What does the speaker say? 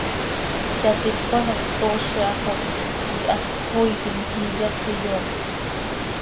Yaticpan hac ctoozi ha xo iihax cöxoiitim, iyat cöiyoomjc.